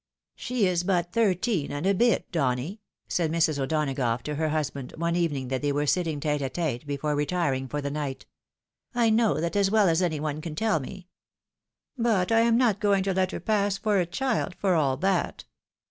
" She is but thirteen and a bit, Donny," said Mrs. O'Dona gough to her husband, one evening that they were sitting tete a tete before retiring for the night ; "I know that as well as any one can tell me ; but I'm not going to let her pass for a chUd, ■ for aU that.